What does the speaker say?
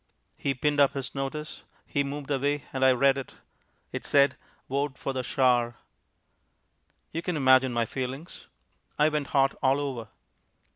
He pinned up his notice. He moved away, and I read it. It said: "VOTE FOR THE SHAR." You can imagine my feelings. I went hot all over.